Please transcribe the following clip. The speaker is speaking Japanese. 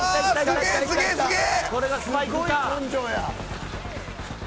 これがスパイクか。